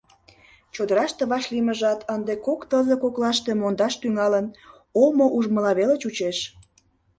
Чодыраште вашлиймыжат ынде кок тылзе коклаште мондаш тӱҥалын, омо ужмыла веле чучеш.